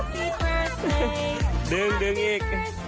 ดึงดึงอีก